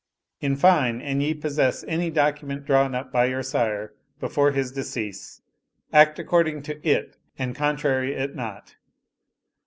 In fine an ye possess any document drawn up by your sire before his decease, act according to it and contrary it not."